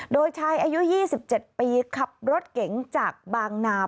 โดยชายอายุ๒๗ปีขับรถเก๋งจากบางนา